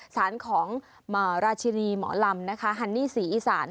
สารของราชณีหมอรำฮันนี่ศรีอิษรรค์